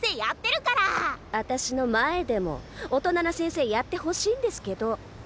あたしの前でも大人な先生やってほしいんですけど。